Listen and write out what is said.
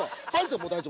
もう大丈夫。